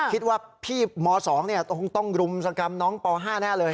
คิดว่าพี่ม๒คงต้องรุมสกรรมน้องป๕แน่เลย